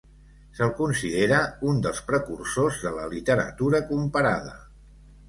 Se'l considera un dels precursors de la Literatura Comparada.